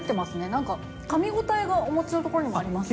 なんか、かみ応えがお餅のところにもあります。